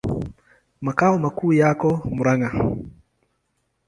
Makao makuu yako Murang'a.